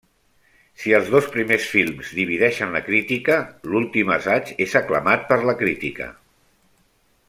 Si els dos primers films divideixen la crítica, l'últim assaig és aclamat per la crítica.